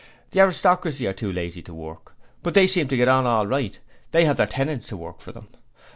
The aristocracy are too lazy to work, but they seem to get on all right; they have their tenants to work for them.